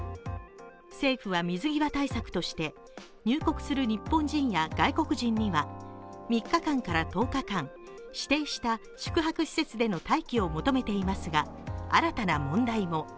政府は水際対策として入国する日本人や外国人には３日間から１０日間、指定した宿泊施設での待機を求めていますが新たな問題も。